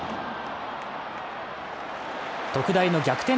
特大の逆転